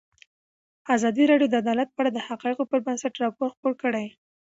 ازادي راډیو د عدالت په اړه د حقایقو پر بنسټ راپور خپور کړی.